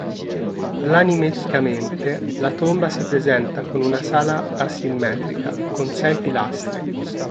Planimetricamente la tomba si presenta con una sala asimmetrica con sei pilastri.